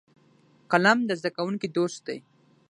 قلم د زده کوونکو دوست دی